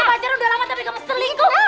kita pacar udah lama tapi kamu selingkuh